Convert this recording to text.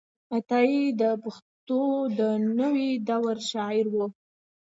عطايي د پښتو د نوې دور شاعر و.